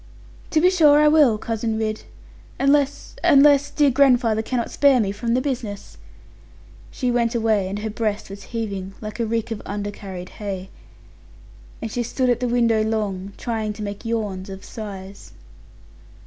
'To be sure I will, Cousin Ridd unless, unless, dear grandfather cannot spare me from the business.' She went away; and her breast was heaving, like a rick of under carried hay. And she stood at the window long, trying to make yawns of sighs.